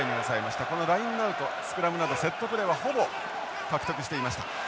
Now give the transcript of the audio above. このラインアウトスクラムなどセットプレーはほぼ獲得していました。